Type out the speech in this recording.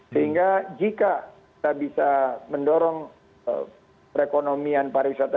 sehingga jika kita bisa mendorong perekonomian pariwisata